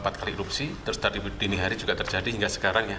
terjadi erupsi terus dari dini hari juga terjadi hingga sekarang ya